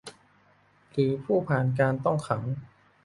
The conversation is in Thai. หรือผู้ผ่านการต้องขัง